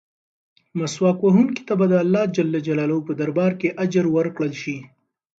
مسواک وهونکي ته به د اللهﷻ په دربار کې اجر ورکړل شي.